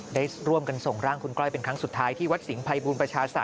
ได้ร่วมกันส่งร่างคุณก้อยเป็นครั้งสุดท้ายที่วัดสิงหภัยบูรณประชาศาส